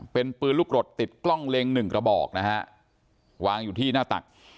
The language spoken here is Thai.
เป็นปืนลูกรถติดกล้องเล็ง๑กระบอกวางอยู่ที่หน้าตัก